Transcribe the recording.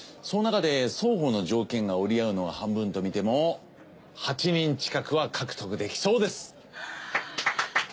そのなかで双方の条件が折り合うのは半分と見ても８人近くは獲得できそうです。